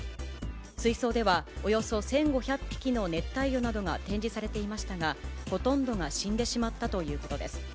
水槽では、およそ１５００匹の熱帯魚などが展示されていましたが、ほとんどが死んでしまったということです。